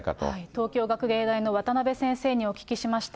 東京学芸大の渡邉先生にお聞きしました。